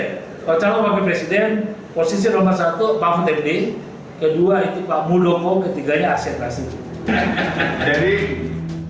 nah kalau ini di calon wakil presiden posisi nomor satu pak fudemdi kedua itu pak mudoko ketiganya asyik rasyid